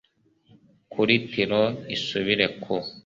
kuri tiro isubire ku